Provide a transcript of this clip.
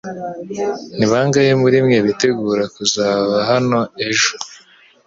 Ni bangahe muri mwe muteganya kuzaba hano ejo?